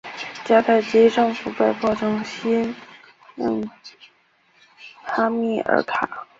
迦太基政府被迫重新起用哈米尔卡。